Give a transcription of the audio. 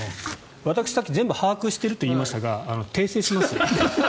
私、さっき全部把握しているといいましたが訂正します。